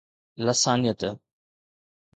لسانيات